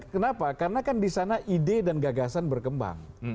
kenapa karena kan di sana ide dan gagasan berkembang